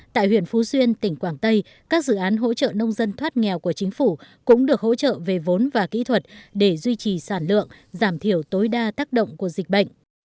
tại huyện phú xuyên tỉnh quảng tây các dự án hỗ trợ nông dân thoát nghèo của chính phủ cũng được hỗ trợ về vốn và kỹ thuật để duy trì sản lượng giảm thiểu tối đa tác động của dịch bệnh